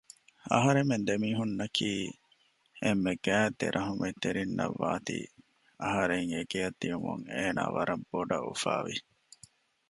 އަހަރެމެން ދެމީހުންނަކީ އެންމެ ގާތް ދެ ރަޙުމަތްތެރިންނަށް ވާތީ އަހަރެން އެގެއަށް ދިޔުމުން އޭނާ ވަރަށް ބޮޑަށް އުފާވި